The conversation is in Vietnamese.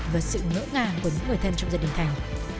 và sự ngỡ ngàng của những người thân trong gia đình thành